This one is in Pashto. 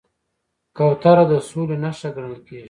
کوتره د سولې نښه ګڼل کېږي.